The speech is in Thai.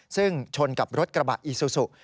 ซึ่งชนกับรถกระบะอีซูซู